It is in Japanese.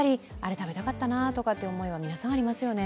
食べたかったなっていう思いは皆さんありますよね。